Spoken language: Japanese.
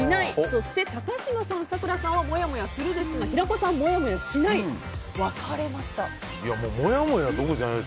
そして高嶋さん、咲楽さんはもやもやするですが平子さん、もやもやしない。